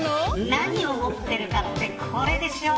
何を持ってるかってこれでしょ。